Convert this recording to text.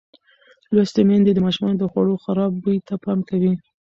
لوستې میندې د ماشومانو د خوړو خراب بوی ته پام کوي.